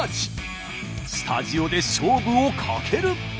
スタジオで勝負をかける！